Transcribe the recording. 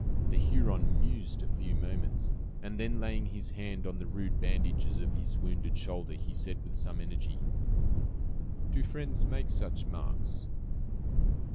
The Huron mused a few moments, and then laying his hand on the rude bandages of his wounded shoulder, he said, with some energy: "Do friends make such marks?"